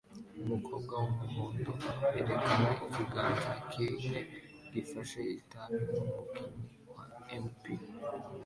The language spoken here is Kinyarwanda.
Umukobwa wumuhondo yerekana ikiganza kimwe gifashe itabi numukinnyi wa MP